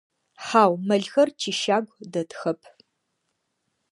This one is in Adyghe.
Хьау, мэлхэр тищагу дэтхэп.